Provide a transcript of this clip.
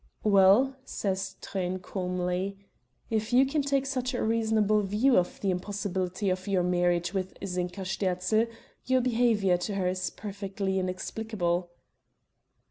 "Well," says Truyn calmly, "if you can take such a reasonable view of the impossibility of your marriage with Zinka Sterzl, your behavior to her is perfectly inexplicable."